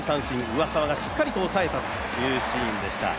上沢がしっかりと抑えたというシーンでした。